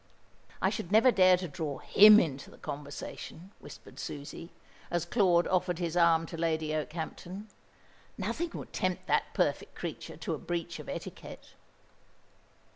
"I should never dare to draw him into the conversation," whispered Susie, as Claude offered his arm to Lady Okehampton. "Nothing would tempt that perfect creature to a breach of etiquette."